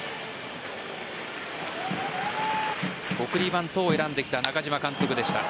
送りバントを選んできた中嶋監督でした。